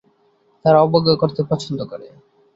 তারা অবজ্ঞা করতে পছন্দ করে।